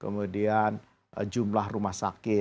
kemudian jumlah rumah sakit